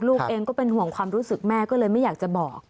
ลูกเองก็เป็นห่วงความรู้สึกแม่ก็เลยไม่อยากจะบอก